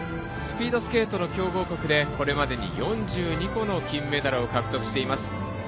スピードスケートの強豪国でこれまでに、４２個の金メダルを獲得しています。